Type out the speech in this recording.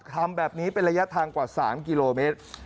ทำแบบนี้เป็นระยะทางกว่า๓กิโลเมตร